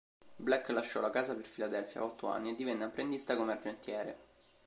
Black lasciò la casa per Filadelfia a otto anni e divenne apprendista come argentiere.